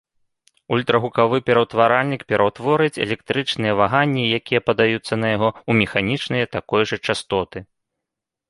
Ультрагукавы пераўтваральнік пераўтворыць электрычныя ваганні, якія падаюцца на яго, у механічныя такой жа частоты.